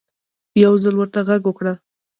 يو ځل ورته غږ وکړه